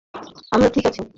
আমরা ঠিক আছি।